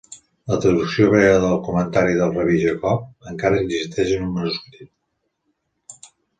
La traducció hebrea del comentari del Rabí Jacob encara existeix en un manuscrit.